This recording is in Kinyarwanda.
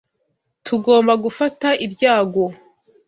Tugomba gufata ibyago.